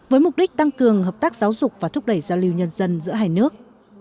với mục đích tăng cường hợp tác giáo dục và thúc đẩy giao lưu nhân dân giữa hai nước